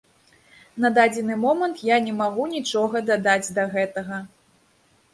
На дадзены момант я не магу нічога дадаць да гэтага.